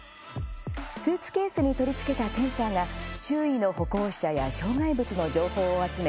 スーツケースに取り付けたセンサーが周囲の歩行者や障害物の情報を集め